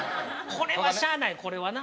これはしゃあないこれはな。